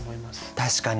確かに。